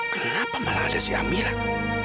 kenapa malah ada si amilan